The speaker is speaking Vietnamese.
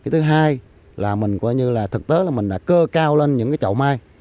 thứ hai là mình thực tế cơ cao lên những chậu mai